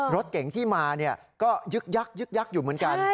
รถเก่งที่มาเนี่ยก็ยึกยักย์อยู่เหมือนกัน